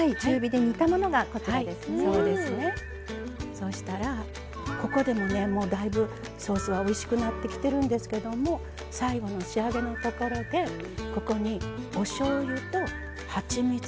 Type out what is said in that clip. そしたらここでもねもうだいぶソースはおいしくなってきてるんですけども最後の仕上げのところでここにおしょうゆとはちみつとお塩入れます。